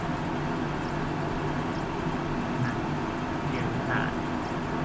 โหมหิงหิ่งหายหัน เหียงหาด